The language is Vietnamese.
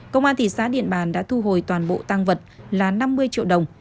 công an thị xã điện bàn đã thu hồi toàn bộ tăng vật là năm mươi triệu đồng